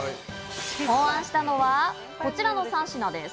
考案したのはこちらの３品です。